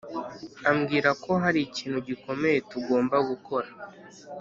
ambwira ko hari ikintu gikomeye tugomba gukora.